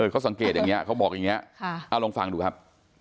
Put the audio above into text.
เขาสังเกตอย่างนี้เขาบอกอย่างนี้เอาลองฟังดูครับ